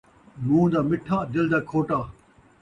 مون٘ہہ دا مٹھا ، دل دا کھوٹا